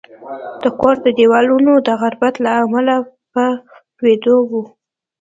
د کور دېوالونه د غربت له امله په لوېدو وو